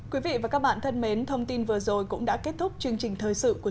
quý vị và các bạn thân mến thông tin vừa rồi cũng đã kết thúc chương trình thời sự của